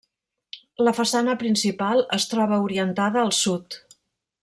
La façana principal es troba orientada al sud.